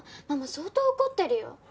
ママ相当怒ってるよ。